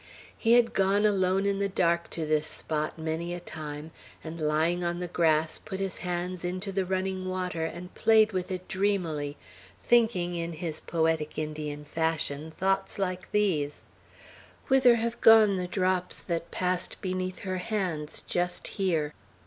He had gone alone in the dark to this spot many a time, and, lying on the grass, put his hands into the running water, and played with it dreamily, thinking, in his poetic Indian fashion, thoughts like these: "Whither have gone the drops that passed beneath her hands, just here?